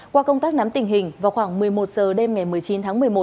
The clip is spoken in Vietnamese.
qua công tác nắm tình hình vào khoảng một mươi một giờ đêm ngày một mươi chín tháng một mươi một